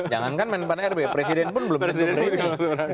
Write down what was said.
jangankan men pan rb presiden pun belum berani